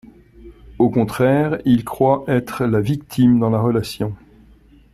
Au contraire, ils croient être la victime dans la relation.